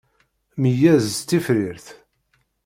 Meyyez s tifrirt.